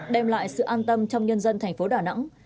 đem lại sự an tâm trong nhân dân thành phố đà nẵng